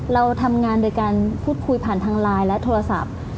เราทำงานโดยการพูดคุยผ่านทางไลน์และโทรศัพท์